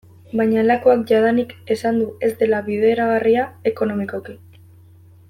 Baina Lakuak jadanik esan du ez dela bideragarria ekonomikoki.